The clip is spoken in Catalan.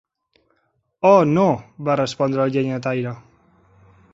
"Oh, no", va respondre el llenyataire.